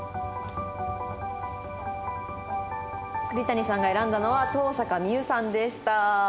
栗谷さんが選んだのは東坂みゆさんでした。